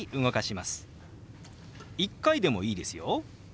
１回でもいいですよ。